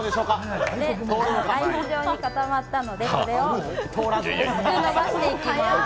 固まったのでこれを薄くのばしていきます。